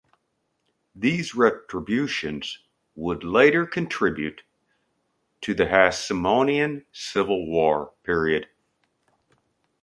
These retributions would later contribute to the Hasmonean Civil War.